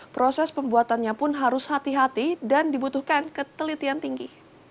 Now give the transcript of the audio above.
proses pembuatannya pun harus hati hati dan dibutuhkan ketelitian tinggi